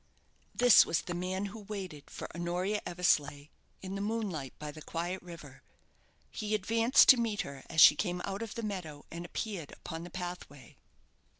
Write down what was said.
This was the man who waited for Honoria Eversleigh in the moonlight by the quiet river. He advanced to meet her as she came out of the meadow and appeared upon the pathway.